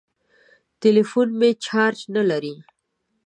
ټليفون مې چارچ نه لري.